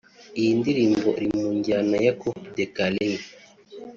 Iyi ndirimbo iri mu njyana ya ’’Coupe des Carres’’